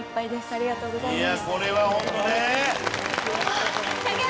ありがとうございます！